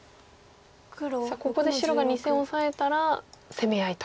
さあここで白が２線オサえたら攻め合いと。